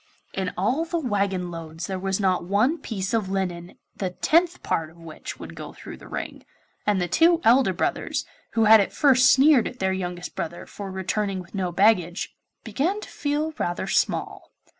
In all the waggon loads there was not one piece of linen the tenth part of which would go through the ring, and the two elder brothers, who had at first sneered at their youngest brother for returning with no baggage, began to feel rather small.